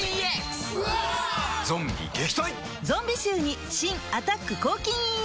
ゾンビ臭に新「アタック抗菌ＥＸ」